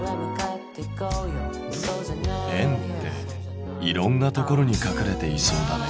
円っていろんなところに隠れていそうだね。